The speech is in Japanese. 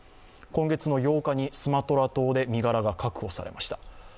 今月８日にスマトラ島で身柄が確保されました。